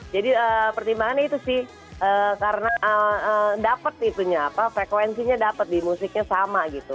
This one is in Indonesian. jadi pertimbangannya itu sih karena dapet itunya apa frekuensinya dapet di musiknya sama gitu